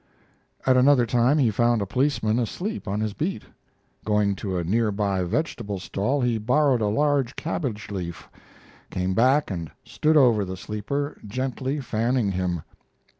At another time he found a policeman asleep on his beat. Going to a near by vegetable stall he borrowed a large cabbage leaf, came back and stood over the sleeper, gently fanning him.